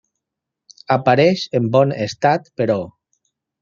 Apareix en bon estat, però.